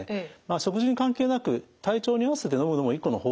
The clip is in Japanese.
食事に関係なく体調に合わせてのむのも一個の方法だと思いますね。